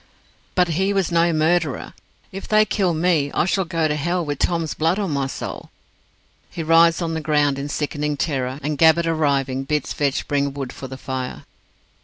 "But he was no murderer. If they kill me, I shall go to hell with Tom's blood on my soul." He writhes on the ground in sickening terror, and Gabbett arriving, bids Vetch bring wood for the fire.